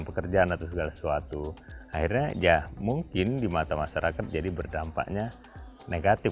pekerjaan atau segala sesuatu akhirnya ya mungkin di mata masyarakat jadi berdampaknya negatif